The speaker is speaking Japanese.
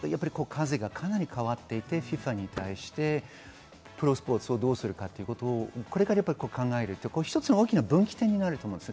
ちょっと風がかなり変わっていて、ＦＩＦＡに対してプロスポーツをどうするかということを、これから考えていく、一つの大きな分岐点になると思います。